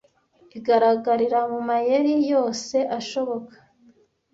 igaragarira mu mayeri yose ashoboka